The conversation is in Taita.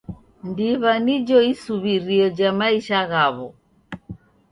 Ndiw'a nijo isuw'irio ja maisha ghaw'o.